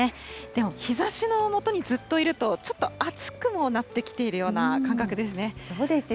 でも日ざしの下にずっといると、ちょっと暑くもなってきているような感覚ですね。